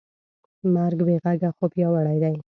مرګ بېغږه خو پیاوړی دی.